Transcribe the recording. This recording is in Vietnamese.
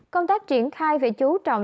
công tác triển khai về chú trọng